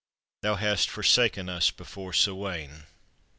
Thou hast forsaken us before Sawaine.